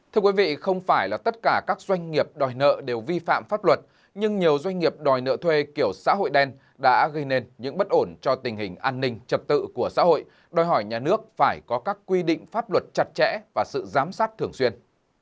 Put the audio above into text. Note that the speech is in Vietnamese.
thưa quý vị không phải là tất cả các doanh nghiệp đòi nợ đều vi phạm pháp luật nhưng nhiều doanh nghiệp đòi nợ thuê kiểu xã hội đen đã gây nên những bất ổn cho tình hình an ninh trật tự của xã hội đòi hỏi nhà nước phải có các quy định pháp luật chặt chẽ và sự giám sát thường xuyên